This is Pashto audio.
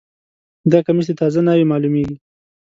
دا کمیس د تازه ناوې معلومیږي